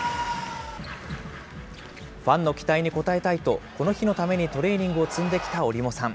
ファンの期待に応えたいと、この日のためにトレーニングを積んできた折茂さん。